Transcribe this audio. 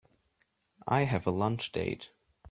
I have a lunch date.